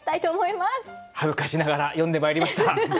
恥ずかしながら詠んでまいりました。